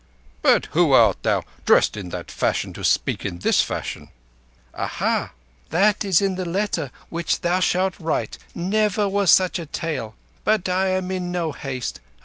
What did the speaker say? But who art thou, dressed in that fashion, to speak in this fashion?" "Aha! That is in the letter which thou shalt write. Never was such a tale. But I am in no haste.